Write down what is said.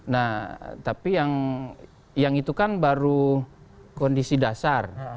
nah tapi yang itu kan baru kondisi dasar